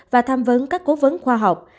và tham vấn các cố vấn khoa học